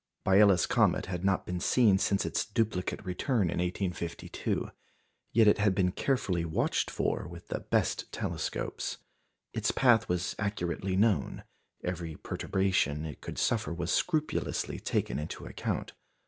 Biela's comet had not been seen since its duplicate return in 1852. Yet it had been carefully watched for with the best telescopes; its path was accurately known; every perturbation it could suffer was scrupulously taken into account.